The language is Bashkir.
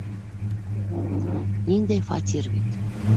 Ниндәй фатир бит!